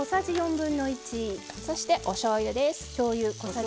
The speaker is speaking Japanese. そして、おしょうゆです。